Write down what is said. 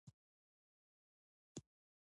په اوسنیو پیړیو کې د اجرایه قوې بدلونونه